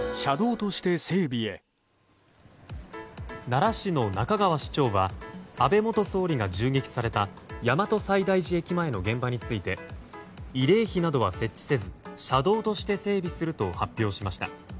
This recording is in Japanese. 奈良市の中川市長は安倍元総理が銃撃された大和西大寺駅前の現場について慰霊碑などは設置せず車道として整備すると発表しました。